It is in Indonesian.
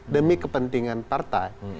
demi kepentingan partai